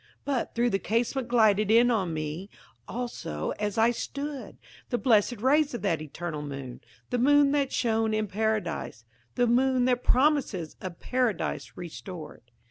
But through the casement glided in on me, me also, as I stood, the blessed rays of that eternal moon–the moon that shone in Paradise–the moon that promises a Paradise restored.